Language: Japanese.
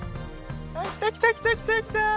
来た来た来た来た来た。